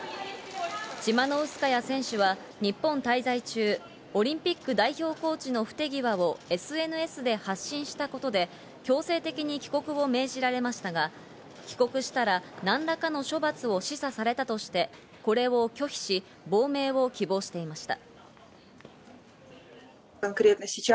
チマノウスカヤ選手は日本滞在中オリンピック代表コーチの不手際をＳＮＳで発信したことで強制的に帰国を命じられましたが帰国したら何らかの処罰を示唆されたとして、これを拒否し亡命を希望していました。